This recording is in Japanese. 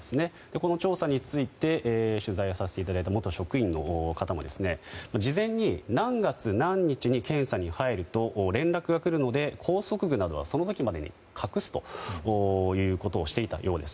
この調査について取材させていただいた元職員の方は、事前に何月何日に検査に入ると連絡が来るので拘束具などはその時までに隠すということをしていたようです。